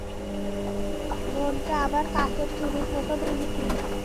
মনটা আমার কাচের চুড়ির মত ভেঙ্গে দিল।